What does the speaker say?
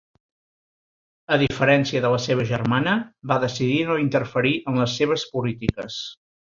A diferència de la seva germana, va decidir no interferir en les seves polítiques.